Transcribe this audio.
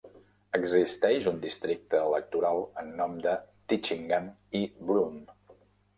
Existeix un districte electoral en nom de Ditchingham i Broome.